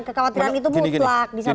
kekhawatiran itu muslak disampaikan